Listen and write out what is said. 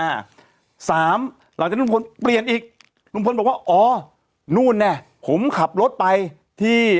๓หลังจากนี้ลุงพลเปลี่ยนอีกตรงนู้นเนี่ยผมขับรถไปที่